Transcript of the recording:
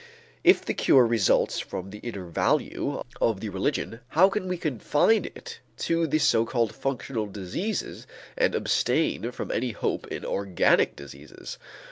If the cure results from the inner value of the religion how can we confine it to the so called functional diseases and abstain from any hope in organic diseases?